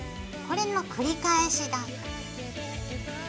これの繰り返しだ。